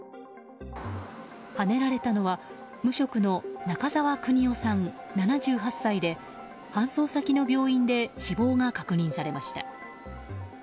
はねられたのは無職の中沢国夫さん、７８歳で搬送先の病院で死亡が確認されました。